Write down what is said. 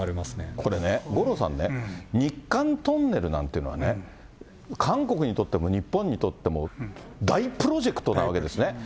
これね、五郎さんね、日韓トンネルなんていうのはね、韓国にとっても、日本にとっても大プロジェクトなわけですね。